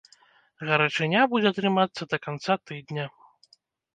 Гарачыня будзе трымацца да канца тыдня.